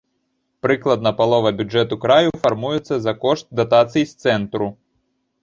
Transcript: Прыкладна палова бюджэту краю фармуецца за кошт датацый з цэнтру.